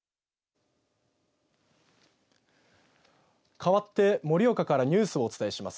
かわって盛岡からニュースをお伝えします。